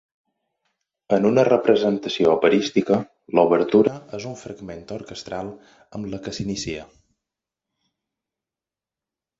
En una representació operística, l'obertura és un fragment orquestral amb la que s'inicia.